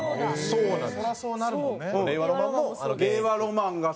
そうなんです。